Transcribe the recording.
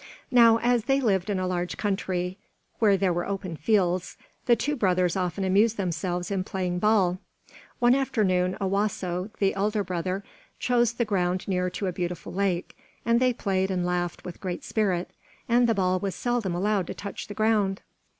Now as they lived in a large country, where there were open fields, the two brothers often amused themselves in playing ball. One afternoon Owasso, the elder brother, chose the ground near to a beautiful lake, and they played and laughed with great spirit, and the ball was seldom allowed to touch the ground.